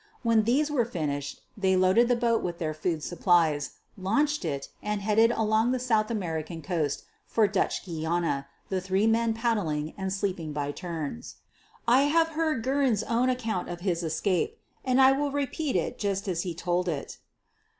When these were finished they loaded the boat with their food supplies, launched it and headed along the South American coast for Dutch Guiana, the three men paddling and sleeping by turns. I have heard Guerin 's own account of his escape, and I will repeat it just as he told it.